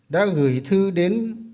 đã gửi thư đến